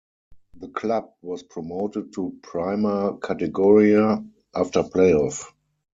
The club was promoted to Prima Categoria after play off.